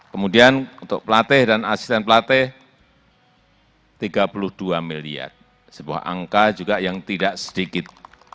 kemudian untuk pelatih dan asisten pelatih rp tiga puluh dua miliar sebuah angka juga yang tidak sedikit